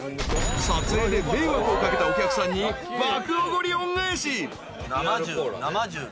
［撮影で迷惑を掛けたお客さんに爆おごり恩返し］